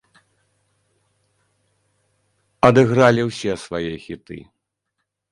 Адыгралі ўсе свае хіты.